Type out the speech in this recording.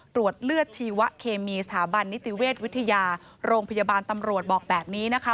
ตรวจเลือดชีวะเคมีสถาบันนิติเวชวิทยาโรงพยาบาลตำรวจบอกแบบนี้นะคะ